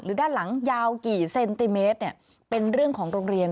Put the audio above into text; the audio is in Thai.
ด้านหลังยาวกี่เซนติเมตรเป็นเรื่องของโรงเรียน